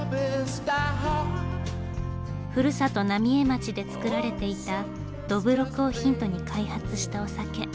ふるさと浪江町で造られていたどぶろくをヒントに開発したお酒。